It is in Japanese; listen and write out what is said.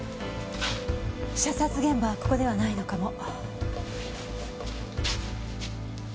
射殺現場はここではないのかも。